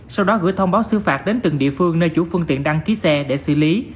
sau đó gửi thông báo xứ phạt đến từng địa phương nơi chủ phương tiện đăng ký xe để xử lý